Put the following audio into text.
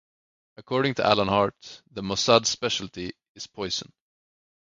According to Alan Hart, the Mossad's specialty is poison.